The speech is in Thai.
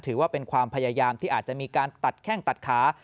ถือว่าเป็นความพยายามที่อาจจะมีการตัดแข้งตัดขา